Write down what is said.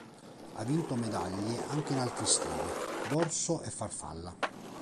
Ha vinto medaglie anche in altri stili: dorso e farfalla.